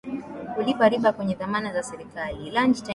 kulipa riba kwenye dhamana za serikali